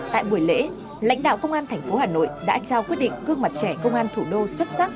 tại buổi lễ lãnh đạo công an tp hà nội đã trao quyết định gương mặt trẻ công an thủ đô xuất sắc